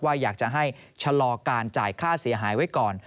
อยากจะให้ชะลอการจ่ายค่าเสียหายไว้ก่อน